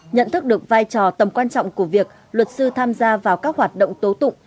nhận thức được vai trò tầm quan trọng của việc luật sư tham gia vào các hoạt động tố tụng